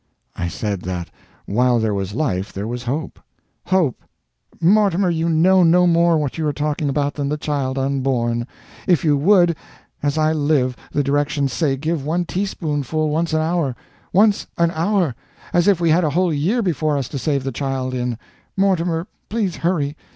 I said that while there was life there was hope. "Hope! Mortimer, you know no more what you are talking about than the child unborn. If you would As I live, the directions say give one teaspoonful once an hour! Once an hour! as if we had a whole year before us to save the child in! Mortimer, please hurry.